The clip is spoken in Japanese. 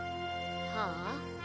はあ？